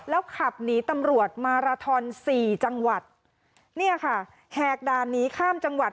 แล้วขับหนีตำรวจมาราทอนสี่จังหวัดเนี่ยค่ะแหกด่านหนีข้ามจังหวัด